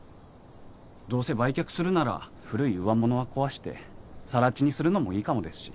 どうせ売却するなら古い上物は壊して更地にするのもいいかもですし。